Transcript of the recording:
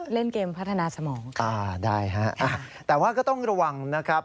เล่นเกมพัฒนาสมองอ่าได้ฮะแต่ว่าก็ต้องระวังนะครับ